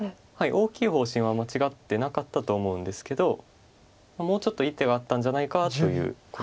大きい方針は間違ってなかったと思うんですけどもうちょっといい手があったんじゃないかということです。